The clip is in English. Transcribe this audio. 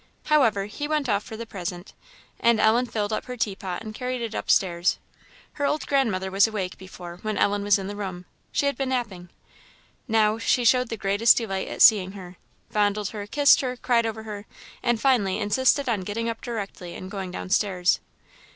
However, he went off for the present; and Ellen filled up her teapot and carried it upstairs. Her old grandmother was awake; before, when Ellen was in the room, she had been napping; now she showed the greatest delight at seeing her fondled her, kissed her, cried over her, and finally insisted on getting up directly and going downstairs.